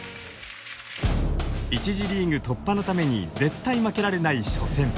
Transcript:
１次リーグ突破のために絶対負けられない初戦。